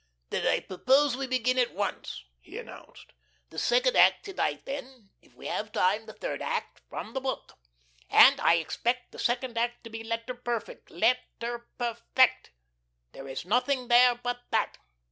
"Then I propose we begin at once," he announced. "The second act to night, then, if we have time, the third act from the book. And I expect the second act to be letter perfect let ter per fect. There is nothing there but that."